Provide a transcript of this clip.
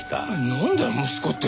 なんだよ息子って。